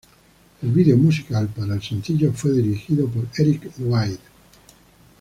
El video musical para el sencillo fue dirigido por Erik White.